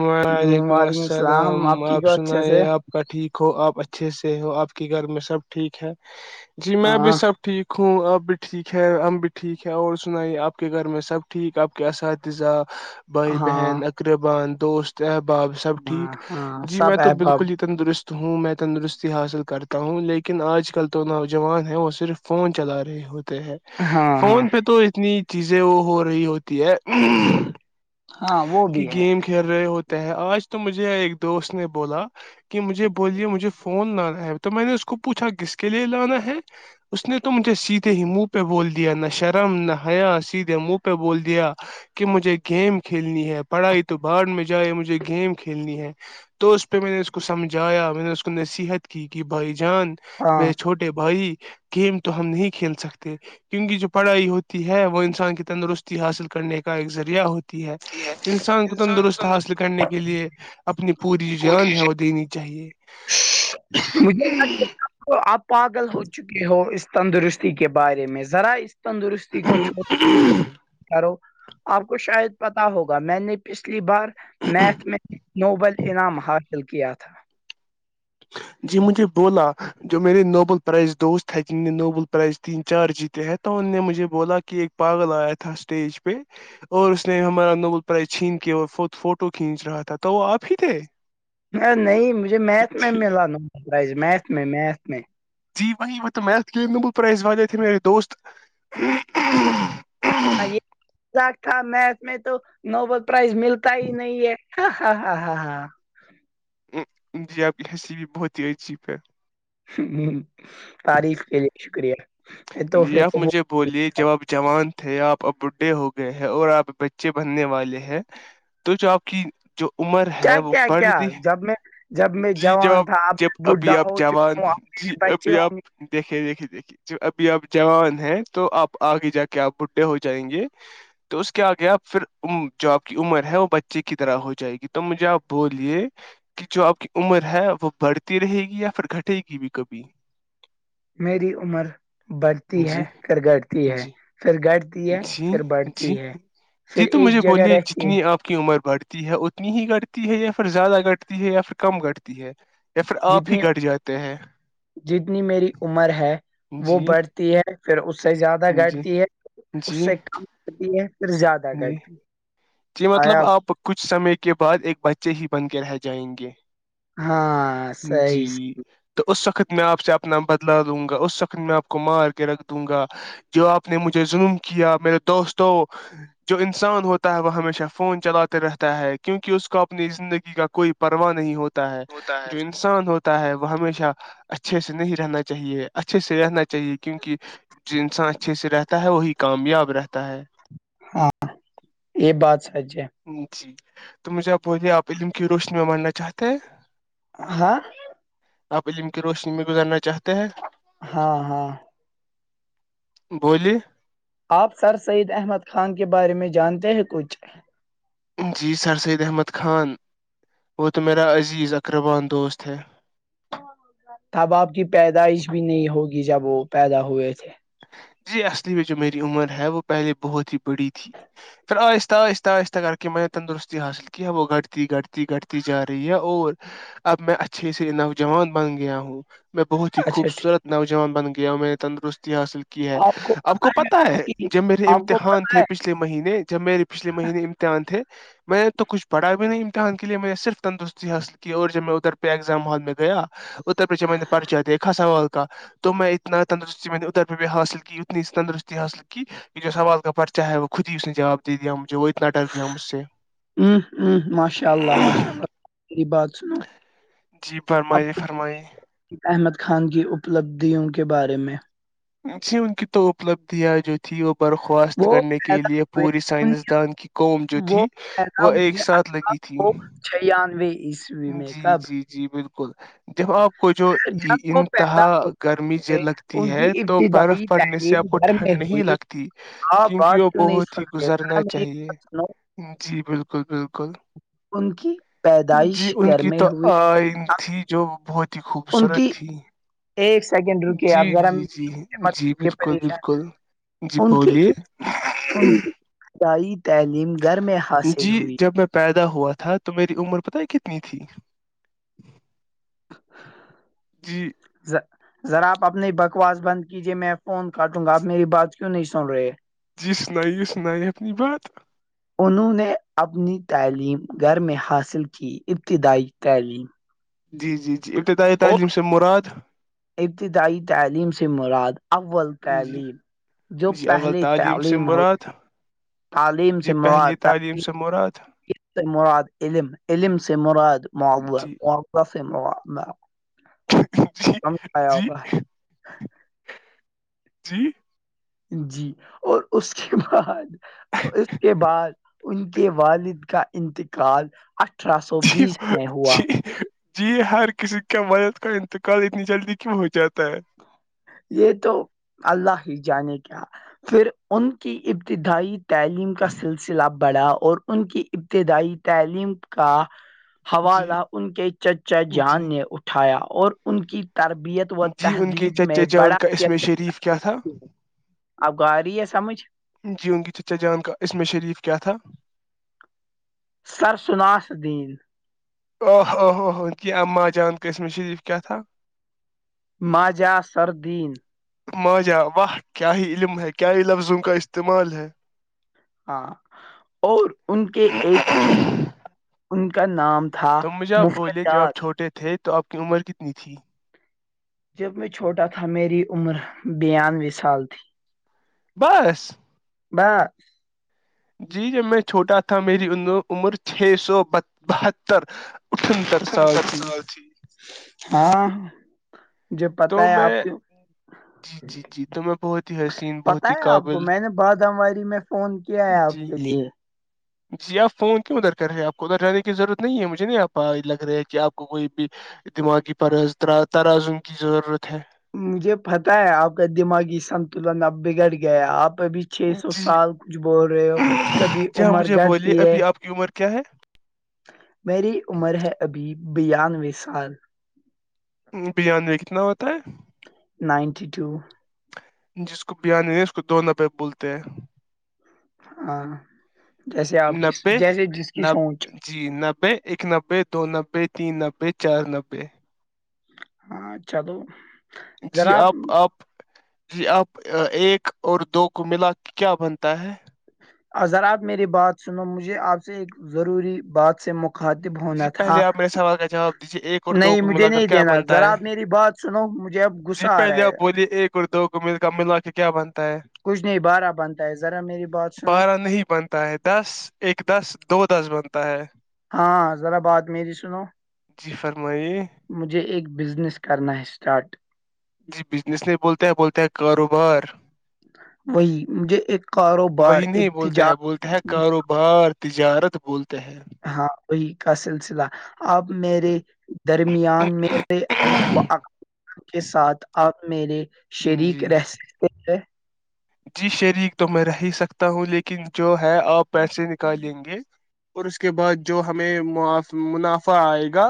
وعلیکم السلام ٹھیک آپ ہو اچھے سے سنائی آپ آ کا ٹھیک ہو آپ اچھے سے ہو آپ کے گھر میں سب ٹھیک ہے جی میں بھی ہاں سب ٹھیک ہوں ٹھیک ہے ہم بھی ٹھیک ہے اور سنائیے آپ کے گھر میں سب ٹھیک آپ کے اساتذہ بھائی ہاں بہن اقربان دوست احباب سب ہاں ٹھیک ہاں جی میں سب تو احباب بالکل ہی تندرست ہوں میں تندرستی حاصل کرتا ہوں لیکن آج کل تو نوجوان ہیں وہ صرف فون چلا رہے ہوتے ہیں ہاں ہاں فون پہ تو اتنی چیزیں وہ ہو رہی ہوتی ہے ہاں وہ بھی ہے گیم کھیل رہے ہوتے ہیں آج تو مجھے ایک دوست نے بولا کہ مجھے بولیے مجھے فون لانا ہے تو میں نے اس کو پوچھا کس کے لیے لانا ہے اس نے تو مجھے سیدھے ہی منہ پہ بول دیا نہ شرم نہ حیا سیدھے منہ پہ بول دیا کہ مجھے گیم کھیلنی ہے پڑھائی تو بعد میں جائے مجھے گیم کھیلنی ہے تو اس پہ میں نے اس کو سمجھایا میں نے اس کو نصیحت کی کہ بھائی جان ہاں میں چھوٹا ے بھائی گیم تو ہم نہیں کھیل سکتے کیونکہ جو پڑھائی ہوتی ہے وہ انسان کی تندرستی حاصل کرنے کا ایک ذریعہ ہوتی ہے انسان کو تندرست حاصل کرنے کے لیے اپنی پوری جو جان ہے وہ دینی چاہیے مجھے لگتا تو آپ پاگل ہو چکے ہو اس تندرستی کے بارے میں ذرا اس تندرستی گھو آپ کو شاید پتا ہوگا میں نے پچھلی بار میتھ میں نوبل انعام حاصل کیا تھا جی مجھے بولا جو میرے نوبل پرائز دوست ہے جن نے نوبل پرائز تین چار جیت کہتا ان نے مجھے بولا کہ ایک پاگل آیا تھا اسٹیج پہ اور اس نے ہمارا نوبل پرائز چھین کے اور فوٹو کھینچ رہا تھا تو وہ آپ ہی تھے نہیں مجھے میتھ میں ملا نوبل پرائز میتھ میں میتھ میں جی وہی تویتھ پز و ت میرے دوست مزق تھا میس میں تو نوبل پرائز ملتا ہی نہیں ہے ہ ہ ہ ہاں ہاں جی آپ کی ہنسی بھی بہت ہی عجیب ہے ہ تعریف کے لیے شکریہ جی تحفے آپ مجھے بولیے جب آپ جوان تھے آپ اب بوڈھے ہو گئے ہیں اور آپ بچے بننے والے ہیں تو چا آپ کی جو عمر کیا ہے وہ کیا پڑھ کیا رہ جب میں جب میں جی جاب جوان تھا جب میں اب بڈھا اب ہو جوان چکا ہوں اب جی میرے بچے ابھی آپ ہوں گے دیکھیے دیکھیے دیکھیے اب بھی اب جوان ہے تو آپ آگے جا کے آپ بڈھے ہو جائیں گے تو اس کے آ گیا پھر جو آپ کی عمر ہے وہ بچے کی طرح ہو جائے گی تو مجھے آپ بولیے کہ جو آپ کی عمر ہے وہ بڑھتی رہے گی یا پھر گھٹے گی بھی کبھی میری عمر بڑھتی ہے جی پھر گٹتی ہے جی پھر گڑتی ہے جی پھر بڑھتی جی ہے پھر جی تو ایک مجھے جگہ بولیے رہتی ہے جتنی آپ کی عمر بڑھتی ہے اتنی ہی گٹتی ہے یا پھر زیادہ گٹتی ہے یا پھر کم گٹتی ہے یا پھر آپ ہی جتنی گٹ جاتے ہیں جتنی میری عمر ہے وہ جی بڑھتی ہے پھر اس سے زیادہ جی گٹتی ہے اس جی سے کم کرتی ہے پھر زیادہ گر جی بھی [unintelligible] جی مطلب آپ کچھ سمے کے بعد ایک بچے ہی بن کے رہ جائیں گے ہاں سی جی تو اس وقت میں آپ سے اپنا بدلا دوں گا اس وخت میں آپ کو مار کے رکھ دوں گا جو آپ نے مجھے ظلم کیا میرے دوستوں جو انسان ہوتا ہے وہ ہمیشہ فون چلاتے رہتا ہے کیونکہ اس کو اپنی زندگی کا کوئی پرواہ نہیں ہوتا ہوتا ہے جو انسان ہوتا ہے وہ ہمیشہ اچھے سے نہیں رہنا چاہیے اچھے سے رہنا چاہیے کیونکہ انسان اچھے سے رہ ہے وہی کامیاب رہتا ہے ہاں یہ بات سچ ہے جی تو مجھے آپ بولیے آپ علم کی روشنی میں ماننا چاہتے ہیں ہاں آپ علم کی روشنی میں گزارنا چاہتے ہیں ہاں ہاں بولی آپ سر سید احمد خان کے بارے میں جانتے ہیں کچھ جی سر سید احمد خان وہ تو میرا عزیز اقربان دوست ہے تب آپ کی پیدائش بھی نہیں ہوگی جب وہ پیدا ہوئے تھے جی اصلی میں جو میری عمر ہے وہ پہلے بہت ہی بڑی تھی پھر آہستہ آہستہ آہستہ کر کے میں تندرستی حاصل ہے وہ گڑتی گڑتی گٹتی جا رہی ہے اور اب میں اچھے سے نوجوان بن گیا ہوں میں بہت ہی اچھا ٹھیک خوبصورت نوجوان بن گیا ہوں میں نے تندرستی حاصل کی ہے آپ کو پتا ہے جو میرے آپ کو امتحان پتا تھے پچھلے مہینے جب میرے پچھلے مہینے امتحان تھے میں نے تو کچھ پڑھا بھی نہیں امتحان کے لیے میں نے صرف تندرستی حاصل کی اور جب میں ادھر پہ ایگزام ہال میں گیا اوتر پھے میں پرچاتے کھا والولق کا تو ا تندرست حال کییت نے ا اس تندرستی حصل کی کہ جو سوال کا پرچہ ہے وہ خود ہی اس نے جواب دے دیا مجھے وہ اتنا ڈر گیا مجھ سے ہ ہ ماشاء اللہ ماشاء اللہ بات سنا جی اب فرمائیے فرمائیے [unintelligible] احمد خان کی اپلبدھیوں کے بارے میں سی انون کی تو اپلبدھی ہے جو تھی وہ برخواست وہ کرنے کے پیدا لیے ہوئے پوری ان- سائنسدان کی قوم جو وہ تھی وہ ایک ساتھ لگی تھی چھھیانوے ع جی جی جی بالکل جب آپ کو جو جب وہ انتہا پیدا گرمی ہوتے تھے لگتی ان ہے کی تو برف ابتدائی پڑنے سے تعلیم آپ کو گھر میں ٹھنڈ نہیں ہوئی لگتی آپ کیونک بات وہ کیوں نہیں بہت سن ہی رہے ذرا گزرنا میری چاہیے بات سنو جی بالکل بالکل ان کی پیدائش گھر میں ہوئی آئ تھی جو بہت ہی ان خوبصورت کی تھی ایک سیکنڈ رکے جی آپ ذرا جی مجھے جی مت جی کیجیے بالکل پریشان بالکل جی بولیے انسائی تعلیم گھر میں حاصل جی ہو جب میں پیدا ہوا تھا تو میری عمر پت کتنی تھی جی ز ذرا آپ اپنی بکواس بند کیجیے میں فون کاٹوں گا آپ میری بات کیوں نہیں سن رہے جی سنائیے سنائیے اپنی بات انہوں نے اپنی تعلیم گھر میں حاصل کی ابتدائی تعلیم جی جی جی ابتدائی اور تعلیم سے مراد ابتدائی تعلیم سے مراد اول جی تعلیم جو جی اول پہلی سے تعلیم ہوتی مراد تعلیم سے جی م پہلی تعلیم سے مراد سے مراد علم علم سے مراد معوع ہے جی مضہ سے جی کچ کم کھیا جی ہوگا جی جی اور اس کے بعد اس کے بعد ان کے والد کا انتقال اٹھارہ سو جی بیس میں ہوا جی جی ہر کسی کا مدد کا انتقال اتنی جلدی کیوں ہو جاتا ہے یہ تو اللہ ہی جانے کیا پھر ان کی ابتدائی تعلیم کا سلسلہ بڑھا اور ان کی ابتدائی تعلیم کا [inaudible] حوالہ ان کے چچا جی جان نے اٹھایا اور ان کی تربیت و جی ان کے تہذیب میں چچے جان بڑا کا عم کردار شریف کیا ادا تھا آپ کو آ رہی ہے سمجھ جی ان کی چچا جان کا عم شریف کیا تھا سرثناس الدین آہ آوہ آ کہ اماں جان قسم شریف کیا تھا ماجا سردین ماجا واہ کیا ہی علم ہے کیا ہی لفظ ان کا استعمال ہے ہاں اور ان کے ایک چھوٹے ان کا نام تھا تو مجھے آپ مفت بولے ج جب آپ چھوٹے تھے تو آپ کی عمر کتنی تھی جب میں چھوٹا تھا میری عمر بانوے سال تھی بس ب جی جب میں چھوٹا تھا میری عمر چھ سو بہتر اٹھنتر سال تھی ہاں مھے پت تو ہے آپ میں کی جی جی جی تو میں بہت ہی حسین بہت ہی قابل بادمواری میں فون کیا ہے آپ جی کے لیے [inaudible] جی آپ فون کیوں ادھر کر رہے ہیں آپ کو ادھر جانے کی ضرورت نہیں ہے مجھے نہیں آپ لگ رہا ہے کہ آپ کو کوئی بھی دماغی پر ترازم کی ضرورت ہے مجھے پتہ ہے آپ کا دماغی سنتلن اب بگڑ گیا ہے آپ ابھی چھ سو جی سال کچھ بول رہے ہو کبھی جہاں عمر مجھے بولیے گٹتی ہے ابھی آپ کی عمر کیا ہے میری عمر ہے ابھی بانوے سال بریانی میں کتنا ہوتا ہے نائنٹی ٹو جس کو بانی نہیں اس کو دو نفع بولتے ہیں ہاں جیسے آپ کی نبے جیسے جس کی سوچ نب جی نبے ایک نبے دو نبے تین نبے چار نوے ہاں چلو جی آپ آپ جی آپ ایک اور دو کو ملا کیا بنتا ہے ذراپ میری بات سنو مجھے آپ سے ایک ضروری بات سے مخاطب ہونا جی تھا پہلے آپ سوال کا جواب دیجیے ایک اور دو نہیں کو مجھے ملا کر نہیں کیا دینا بنتا ذرا ہے میری بات سنو مجھے اب غصہ آ رہا ہے ے ایک اور دو کو مل کر ملوا کے کیا بنتا ہے کچھ نہیں بارہ بنتا ہے ذرا میری بات سنو بارہ نہیں بنتا بتا ہے دس ایک دس دو دس بنتا ہے ہاں ذرا بات میری سنو جی فرمائیے مجھے ایک بزنس کرنا ہے اسٹارٹ جی بزنس نہیں بولتا ہے بولتا ہے کاروبار وہی مجھے ایک کاروبار ایک تجار بار تجارت بولتا ہے ہاں وہی کا سلسلہ اب میرے درمیان میرے کے ساتھ آپ میرے شریک جی رہ سکتے ہیں جی شریک تو میں رہ ہی سکتا ہوں لیکن جو ہے آپ پیسے نکالیں گے اور اس کے بعد جو ہمیں منافع آئے گا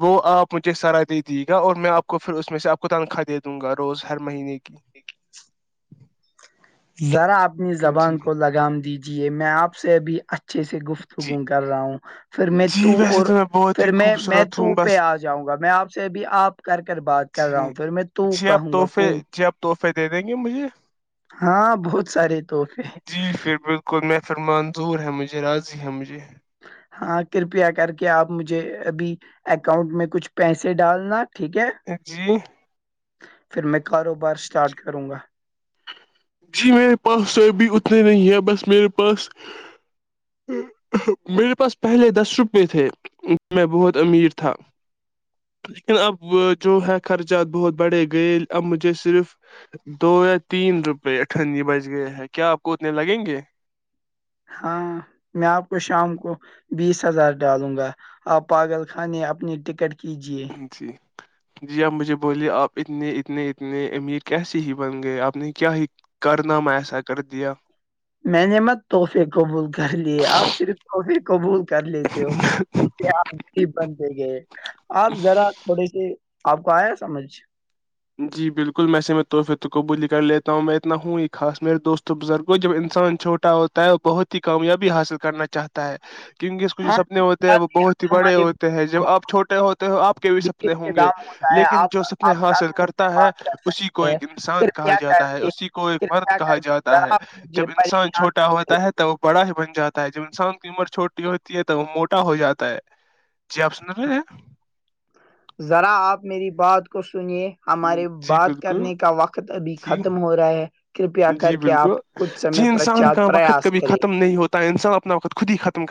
وہ آپ مجھے سرا دے دیجے گا اور میں آپ کو پھر اس میں سے آپ کو تنخواہ دے دوں گا روز ہر مہینے کی ٹھیک ذرا اپنی جی زبان کو لگام دیجیے میں آپ سے اب ا اچھے سے جی گفتگو کر رہا ہوں پھر میں تو جی ویسے اور میں بہت ہی پھر میں میں خوبصورت تو ہوں پہ بس آ جاؤں گا میں آپ سے بھی آپ کر کر بات کر رہا جی ہوں پھر میں تو جی آپ کہوں گا تحفے تو جی آپ تحفے دے دیں گے مجھے ہاں بہت سارے توحفے کوئی محفر منظور ہے مجھے راضی ہے مجھے ہاں کرپیا کر کے آپ مجھے ابھی اکاؤنٹ میں کچھ پیسے ڈالنا ٹھیک ہے جی پھر میں کاروبار اسٹارٹ کروں گا جی میرے پاس سب بھی اتنے نہیں ہے بس میرے پاس میرے پاس پہلے دس روپے تھے میں بہت امیر تھا لیکن اب جو ہے خرچات بہت بڑھے گئے اب مجھے صرف دو یا تین روپے اٹھنی بج گئے ہیں کیا آپ کو اتنے لگیں گے ہاں میں آپ کو شام کو بیس ہزار ڈالوں گا آپ پاگل خانے اپنی ٹکٹ کیجیے جی جی آپ مجھے بولیے آپ اتنے اتنے اتنے امیر کیسے ہی بن گئے آپ نے کیا ہی کر نام ایسا کر دیا میں نے مت تحفے قبول کر لیے آپ صرف تحفے قبول کر لیتے کہ ہو کیا ہی بندے گئے آپ ذرا تھوڑے سے آپ کو آیا سمجھ جی بالکل میںیسے میں تحفے قبولی کر لیتا ہوں میں اتنا ہوں خاص میرے دوست و بزرگوں جب انسان چھوٹے ا ہوتا ہے اور بہت ہی کامیابی حاصل کرنا چاہتا ہے کیونکہ اس کے جو ہاں سپنے کوئی ہوتے ہیں بات وہ نہیں بہت ہی آپ بڑے ہمارے ہوتے ہیں جب آپ چھوٹے ہوتے ہیں ہو آپ کے بھی سپنے ہوں گے- اختتام ہوتا ہے لیکن آپ جو سپنے آپ حاصل کل کر مجھ سے کرتا ہے بات کر اسی کو سکتے ہیں ایک انسان کرپیا کہا کر جاتا ہے کے اسی کو ایک مرد کرپیا کہا کر کے جاتا ہے ذرا مجھے جب انسان چھوٹے- پریشان چھوٹا نہ ہوتا کریں ہے تو وہ بڑا ہی بن جاتا ہے جب انسان کی عمر چھوٹی ہوتی ہے تو وہ موٹا ہو جاتا ہے- جی آپ سنر رہے ہیں- ذرا آپ میری بات کو سنیے- ہیں ہمارے جی بات بالکل کرنے کا وقت ابھی جی ختم ہو رہا ہے کرپیا جی کر کے بالکل آپ- کچھ جی سمے انسان پرچات کا وقت پریاس کبھی کریں ختم نہیں ہوتا ہے انسان اپنا وقت خود ہی ختم کرتا-